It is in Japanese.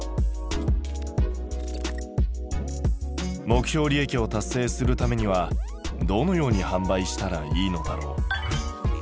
目標利益を達成するためにはどのように販売したらいいのだろう？